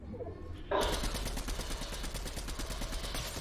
毕业于辽宁大学。